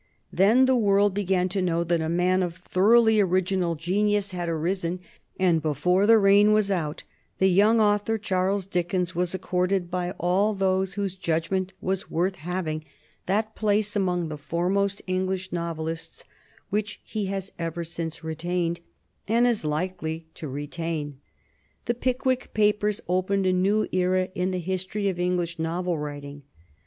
Then the world began to know that a man of thoroughly original genius had arisen, and before the reign was out the young author, Charles Dickens, was accorded by all those whose judgment was worth having that place among the foremost English novelists which he has ever since retained and is ever likely to retain. "The Pickwick Papers" opened a new era in the history of English novel writing.